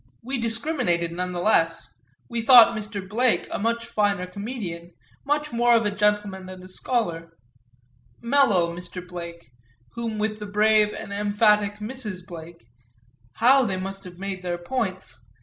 We discriminated, none the less; we thought Mr. Blake a much finer comedian, much more of a gentleman and a scholar "mellow" Mr. Blake, whom with the brave and emphatic Mrs. Blake (how they must have made their points!)